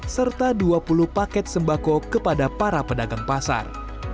serta dua puluh paket sembako kepada para pedagang pasar